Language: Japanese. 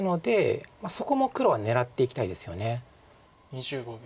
２５秒。